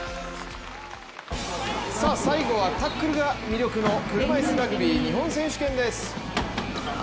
最後はタックルが魅力の車いすラグビー日本選手権です。